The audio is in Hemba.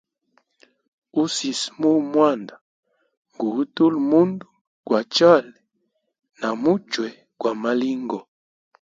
Usisimuna mwanda ngu utula mundu gwa chale na muchwe gwa malingo.